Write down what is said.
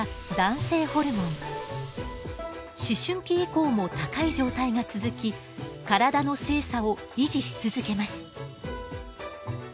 思春期以降も高い状態が続き体の性差を維持し続けます。